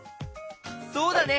そうだね。